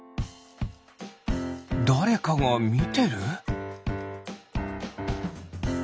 だれかがみてる？